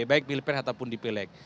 baik pilih pilih ataupun dipilih